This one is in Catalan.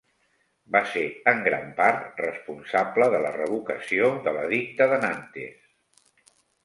Va ser en gran part responsable de la revocació de l'Edicte de Nantes.